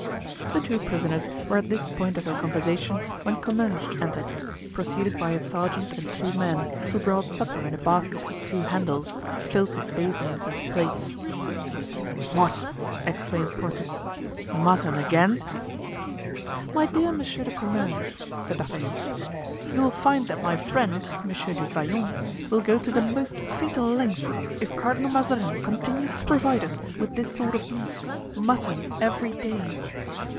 The two prisoners were at this point of their conversation when Comminges entered, preceded by a sergeant and two men, who brought supper in a basket with two handles, filled with basins and plates. "What!" exclaimed Porthos, "mutton again?" "My dear Monsieur de Comminges," said D'Artagnan, "you will find that my friend, Monsieur du Vallon, will go to the most fatal lengths if Cardinal Mazarin continues to provide us with this sort of meat; mutton every day."